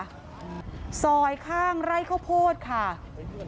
โชว์บ้านในพื้นที่เขารู้สึกยังไงกับเรื่องที่เกิดขึ้น